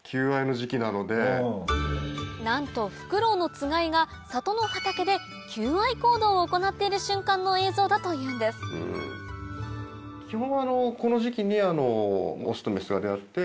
なんとフクロウのつがいが里の畑で求愛行動を行っている瞬間の映像だというんですという形だと思うんですけども。